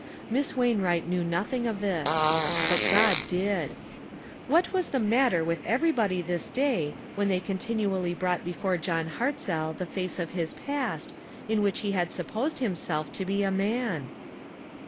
Miss Waiu wright knew nothing of this ; but God did. What was the matter with everybody this day, that they continually brought before John Hartzell the face of his past, in 222 ONE COMMONPLACE DAY. which he had supposed himself to be a man?